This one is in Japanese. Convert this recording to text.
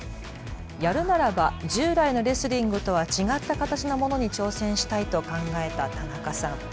やるならば従来のレスリングとは違った形のものに挑戦したいと考えた田中さん。